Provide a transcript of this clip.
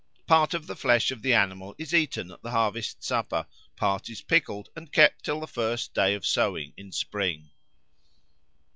Part of the flesh of the animal is eaten at the harvest supper; part is pickled and kept till the first day of sowing in spring.